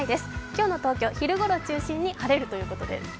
今日の東京、昼頃中心に晴れるということです。